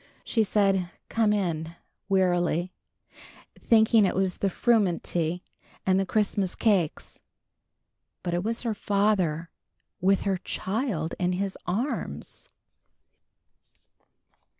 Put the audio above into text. She said "Come in," wearily, thinking it was the frumenty and the Christmas cakes. But it was her father, with her child in his arms!